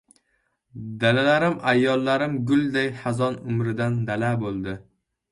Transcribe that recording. Dalalarim ayollarim gulday hazon umridan dala bo‘ldi.